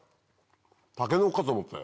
タケノコかと思ったよ。